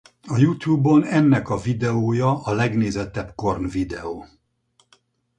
A YouTube-on ennek a videója a legnézettebb Korn videó.